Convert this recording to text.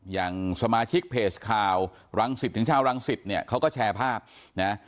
อย่างสมาชิกเพจข่าวรังสิตถึงชาวรังสิตเนี่ยเขาก็แชร์ภาพนะ